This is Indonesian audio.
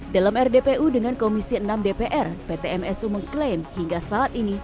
dalam rdpu dengan komisi enam dpr pt msu mengklaim hingga saat ini